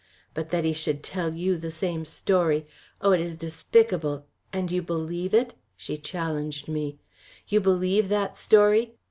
But that he should tell you the same story. Oh! it is despicable and you believe it?" she challenged me. "You believe that story.